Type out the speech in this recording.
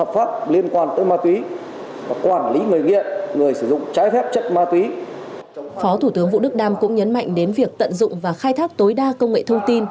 phó thủ tướng vũ đức đam cũng nhấn mạnh đến việc tận dụng và khai thác tối đa công nghệ thông tin